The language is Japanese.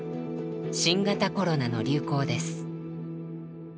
新型コロナの流行です。